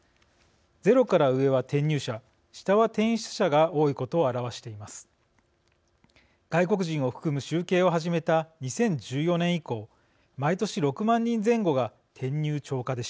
ゼロから上は転入者、下は転出者が多いことを表しています。